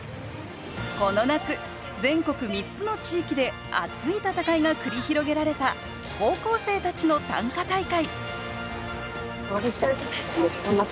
この夏全国３つの地域で熱い戦いが繰り広げられた高校生たちの短歌大会頑張った。